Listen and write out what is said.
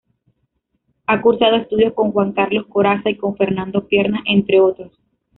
Ha cursado estudios con Juan Carlos Corazza y con Fernando Piernas entre otros.